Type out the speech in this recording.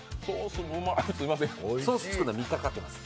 ソース作るのは３日かかってます。